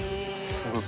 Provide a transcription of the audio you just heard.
すごい！